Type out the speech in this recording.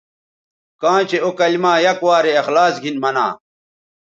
کاں چہء او کلما یک وارے اخلاص گھن منا